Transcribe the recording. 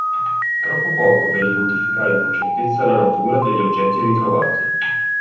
Troppo poco per identificare con certezza la natura degli oggetti ritrovati.